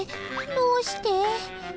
どうして？